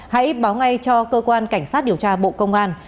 hãy báo ngay cho cơ quan cảnh sát điều tra bộ công an